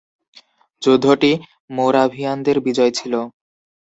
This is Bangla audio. যুদ্ধটি মোরাভিয়ানদের বিজয় ছিল।